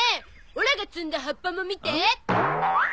オラが摘んだ葉っぱも見て！